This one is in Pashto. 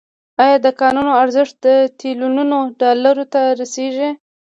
آیا د کانونو ارزښت تریلیونونو ډالرو ته رسیږي؟